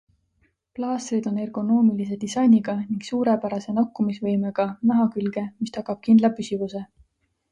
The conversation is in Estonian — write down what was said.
Plaastrid on ergonoomilise disainiga ning suurepärase nakkumisvõimega naha külge, mis tagab kindla püsivuse.